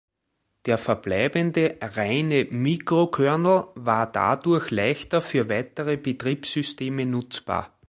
Der verbleibende reine µ-Kernel war dadurch leichter für weitere Betriebssysteme nutzbar.